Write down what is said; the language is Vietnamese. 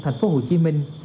thành phố hồ chí minh